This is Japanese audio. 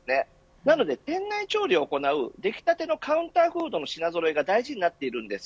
なので、店内調理を行う出来立てのカウンターフードの品揃えが大事になっているんです。